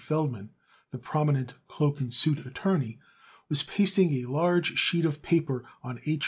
Feldman, the prominent cloak and suit attorney, was pasting a large sheet of paper on H.